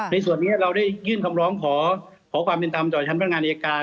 ในส่วนนี้เราได้ยื่นคำร้องขอความเป็นธรรมต่อชั้นพนักงานอายการ